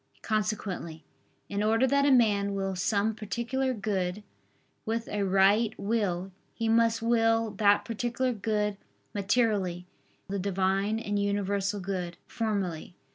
Consequently, in order that a man will some particular good with a right will, he must will that particular good materially, and the Divine and universal good, formally.